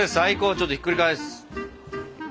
ちょっとひっくり返す。